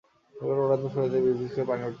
নৌকার পাটাতনের ফুটা দিয়ে বিজবিজ করে পানি উঠছে।